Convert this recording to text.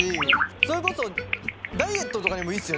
それこそダイエットとかにもいいっすよねこれね。